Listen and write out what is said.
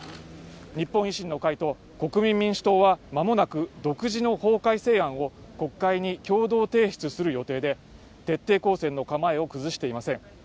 日本維新の会と国民民主党はまもなく独自の法改正案を国会に共同提出する予定で徹底抗戦の構えを崩していません